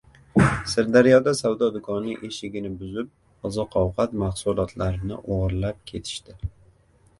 Sirdaryoda savdo do‘koni eshigini buzib, oziq-ovqat mahsulotlarini o‘g‘irlab ketishdi